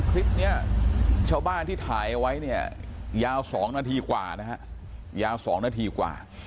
คลิปนี้ชาวบ้านที่ถ่ายเอาไว้เนี่ยยาว๒นาทีกว่านะฮะยาว๒นาทีกว่า